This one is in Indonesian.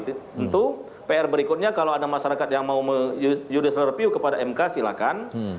tentu pr berikutnya kalau ada masyarakat yang mau judicial review kepada mk silakan